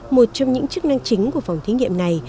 một trong những chức năng chính của phòng thí nghiệm này